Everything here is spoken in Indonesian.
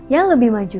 yang lebih maju